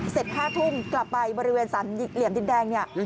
เสร็จ๕ทุ่มกลับไปบริเวณสรรเหลี่ยมดินแดง